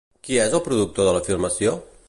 Qui és el productor de la filmació?